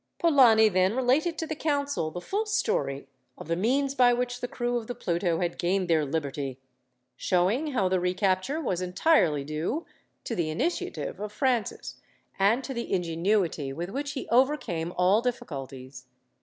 Polani then related to the council the full story of the means by which the crew of the Pluto had gained their liberty, showing how the recapture was entirely due to the initiative of Francis, and to the ingenuity with which he overcame all difficulties.